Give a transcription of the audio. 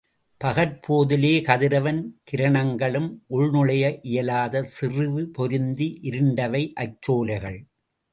பகற்போதிலே கதிரவன் கிரணங்களும் உள்நுழைய இயலாத செறிவு பொருந்தி இருண்டவை, அச்சோலைகள்.